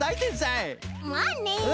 まあね。